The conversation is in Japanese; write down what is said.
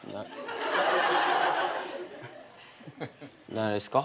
何ですか？